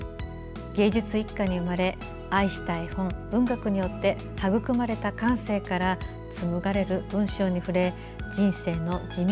芸術一家に生まれ愛した絵本、文学によってはぐくまれた感性から紡がれる文章に触れ人生の滋味